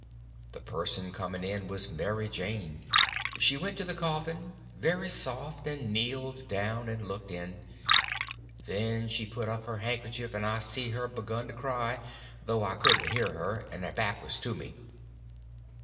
The person coming was Mary Jane. She went to the coffin, very soft, and kneeled down and looked in; then she put up her handkerchief, and I see she begun to cry, though I couldn't hear her, and her back was to me.